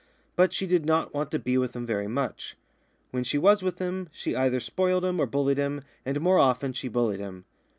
But she did not want to be with him very much. When she was with him she either spoiled him or bullied him, and more often she bullied him.